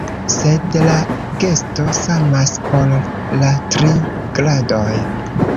Sed la gesto samas por la tri gradoj.